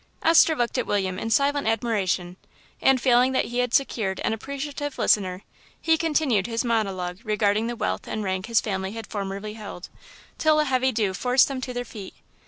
Esther looked at William in silent admiration, and, feeling that he had secured an appreciative listener, he continued his monologue regarding the wealth and rank his family had formerly held, till a heavy dew forced them to their feet.